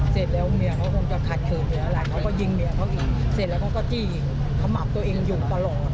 เสร็จแล้วเขาก็จี้ยิงเขามับตัวเองอยู่ตลอด